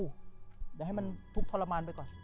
เดี๋ยวให้มันทุกข์ทรมานไปก่อน